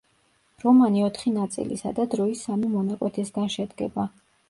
რომანი ოთხი ნაწილისა და დროის სამი მონაკვეთისგან შედგება.